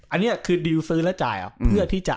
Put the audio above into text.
อันนี้คือดิวซื้อแล้วจ่ายหรอเพื่อที่จะ